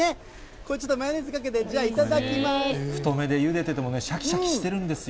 これ、ちょっとマヨネーズかけて、太めで、ゆでててもね、柔らかくてしゃきしゃきしてるんですよ。